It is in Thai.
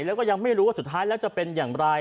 แล้วก็ยังไม่รู้ว่าสุดท้ายแล้วจะเป็นอย่างไร